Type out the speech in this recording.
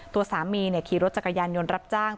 ตัวสามีขี่รถจักรยานยนต์รับจ้าง